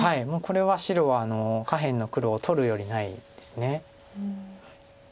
これは白は下辺の黒を取るよりないです。